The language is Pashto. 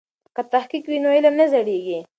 که تحقیق وي نو علم نه زړیږي.